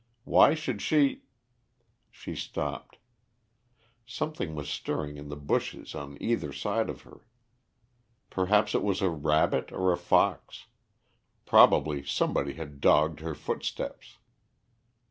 Why should she She stopped. Something was stirring in the bushes on either side of her. Perhaps it was a rabbit or a fox. Probably somebody had dogged her footsteps.